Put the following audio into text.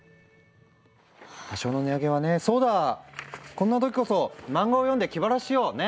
こんな時こそ漫画を読んで気晴らししようね。